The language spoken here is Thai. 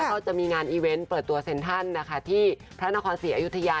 ก็จะมีงานอีเวนต์เปิดตัวเซ็นทันนะคะที่พระนครศรีอยุธยา